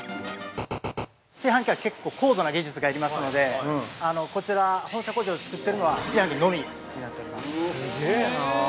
◆炊飯器は結構高度な技術が要りますのでこちら、本社工場で作ってるのは炊飯器のみになっております。